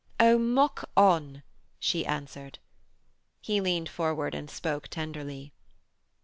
'Oh, mock on,' she answered. He leaned forward and spoke tenderly.